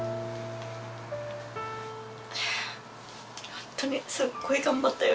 ホントにすっごい頑張ったよ